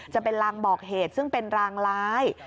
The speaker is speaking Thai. จะเป็นรางบอกเหตุซึ่งเป็นรางร้าย